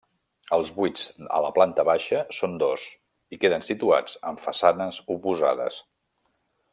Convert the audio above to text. Els buits a la planta baixa són dos i queden situats en façanes oposades.